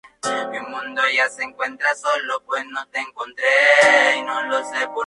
El campeón fue Danubio.